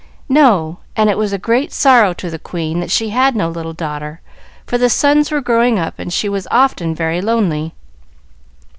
"No; and it was a great sorrow to the queen that she had no little daughter, for the sons were growing up, and she was often very lonely.